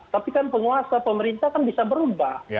tapi kan penguasa pemerintah kan bisa berubah